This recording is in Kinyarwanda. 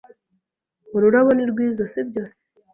Ururabo ni rwiza, sibyo?